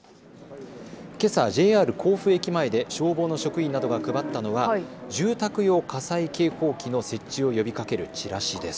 けさＪＲ甲府駅前で消防の職員などが配ったのは住宅用火災警報器の設置を呼びかけるチラシです。